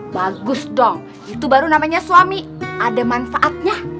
bagus dong itu baru namanya suami ada manfaatnya